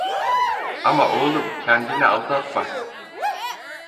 Ama oğlum, kendini aldatma.